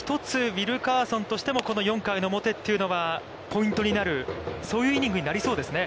ウィルカーソンとしても、４回表は、ポイントになる、そういうイニングになりそうですね。